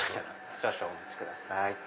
少々お待ちください。